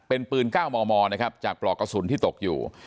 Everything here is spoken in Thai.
เป็นปืน๙มมนะครับจากปลอกกระสุนที่ตกอยู่